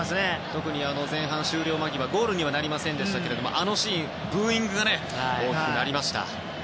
特に前半終了間際ゴールにはなりませんでしたがあのシーン、ブーイングが大きくなりました。